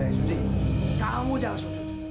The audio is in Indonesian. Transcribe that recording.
eh suci kamu jangan so so